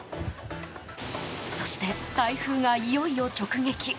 そして台風がいよいよ直撃。